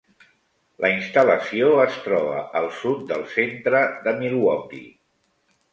La instal·lació es troba al sud del centre de Milwaukee.